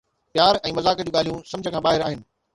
پيار ۽ مذاق جون ڳالهيون سمجھ کان ٻاهر آهن